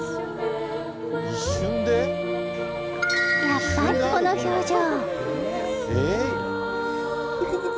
やっぱりこの表情。